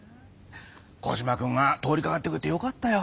コジマくんが通りかかってくれてよかったよ。